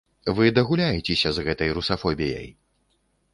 Вы дагуляецеся з гэтай русафобіяй!